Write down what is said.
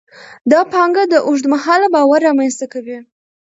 دا پانګه د اوږد مهاله باور رامینځته کوي.